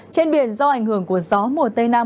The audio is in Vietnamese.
trên biển do ảnh hưởng của gió mùa tây nam